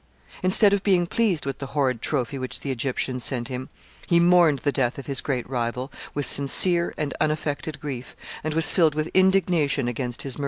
Instead of being pleased with the horrid trophy which the Egyptians sent him, he mourned the death of his great rival with sincere and unaffected grief, and was filled with indignation against his murderers.